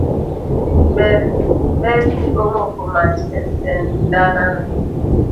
Berni omoko mach e ndalana.